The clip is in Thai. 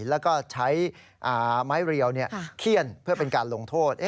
แล้วก็ใช้ไม้เรียวเขี้ยนเพื่อเป็นการลงโทษ